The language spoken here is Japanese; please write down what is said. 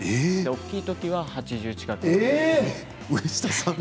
大きい時は８０近く。